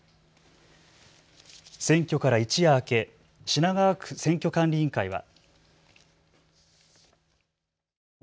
選挙から一夜明け、品川区選挙管理委員会は。